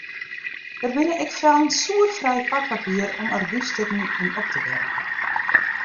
Der binne ek fellen soerfrij pakpapier om argyfstikken yn op te bergjen.